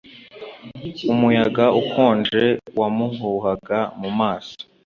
Umuyaga ukonje wamuhuhaga mu maso.